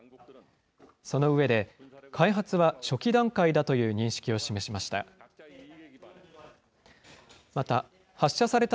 その上で、開発は初期段階だという認識を示しました。